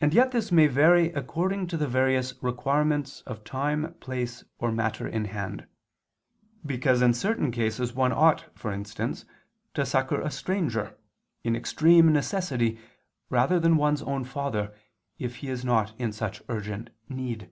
And yet this may vary according to the various requirements of time, place, or matter in hand: because in certain cases one ought, for instance, to succor a stranger, in extreme necessity, rather than one's own father, if he is not in such urgent need.